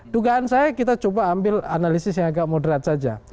dugaan saya kita coba ambil analisis yang agak moderat saja